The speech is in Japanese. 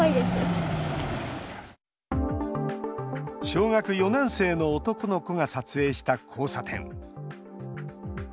小学４年生の男の子が撮影した交差点。